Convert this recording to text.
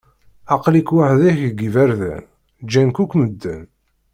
Aql-ik weḥd-k deg iberdan, ǧǧan-k akk medden.